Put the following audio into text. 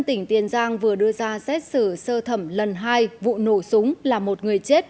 tỉnh tiền giang vừa đưa ra xét xử sơ thẩm lần hai vụ nổ súng làm một người chết